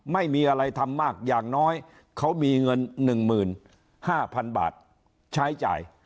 ไม่มีอะไรทำมากอย่างน้อยเขามีเงินหนึ่งหมื่นห้าพันบาทใช้จ่าย